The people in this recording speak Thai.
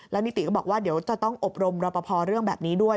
นิติก็บอกว่าเดี๋ยวจะต้องอบรมรอปภเรื่องแบบนี้ด้วย